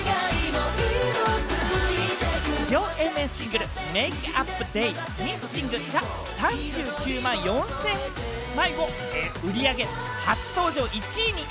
両Ａ面シングル『ＭａｋｅＵｐＤａｙ／Ｍｉｓｓｉｎｇ』が３９万４０００枚を売り上げ、初登場１位に！